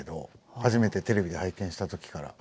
初めてテレビで拝見したときから。